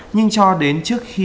nhưng cho đến trước khi